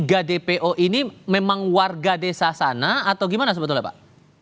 tiga dpo ini memang warga desa sana atau gimana sebetulnya pak